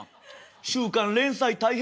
「週刊連載大変だ」。